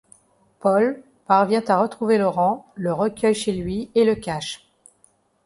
Paul parvient à retrouver Laurent, le recueille chez lui et le cache.